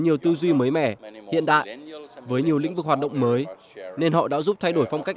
nhiều tư duy mới mẻ hiện đại với nhiều lĩnh vực hoạt động mới nên họ đã giúp thay đổi phong cách